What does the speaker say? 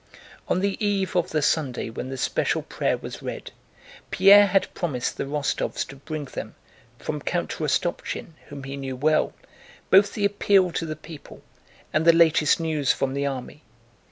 * Forty two. On the eve of the Sunday when the special prayer was read, Pierre had promised the Rostóvs to bring them, from Count Rostopchín whom he knew well, both the appeal to the people and the news from the army.